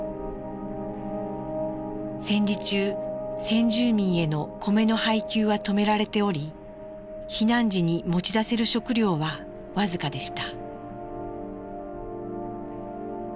戦時中先住民への米の配給は止められており避難時に持ち出せる食料は僅かでした。